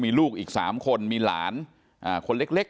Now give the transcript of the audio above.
ทีนี้ก็ต้องถามคนกลางหน่อยกันแล้วกัน